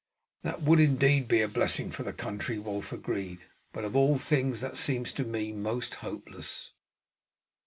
"That would indeed be a blessing for the country," Wulf agreed; "but of all things that seems to me most hopeless."